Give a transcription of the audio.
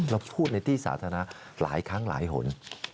เราพูดในที่สาธารณะหลายครั้งหลายหน